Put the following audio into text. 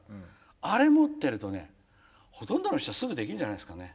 あれ持ってるとねほとんどの人すぐできるんじゃないですかね。